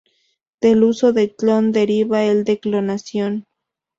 Del uso de clon deriva el de clonación.